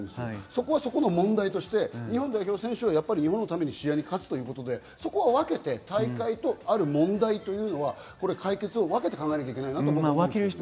そこはそこの問題として日本代表選手は日本のために試合を勝つことで分けて大会と、ある問題は解決を分けて考えなければいけないなと思います。